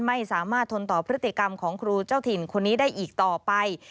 ไม่สามารถทนต่อพฤติกรรมของครูเจ้าถิ่นคนนี้ได้อีกต่อไป